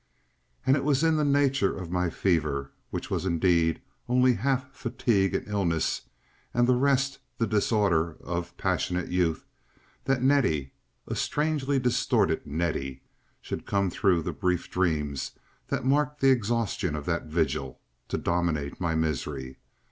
And it was in the nature of my fever, which was indeed only half fatigue and illness, and the rest the disorder of passionate youth, that Nettie, a strangely distorted Nettie, should come through the brief dreams that marked the exhaustions of that vigil, to dominate my misery.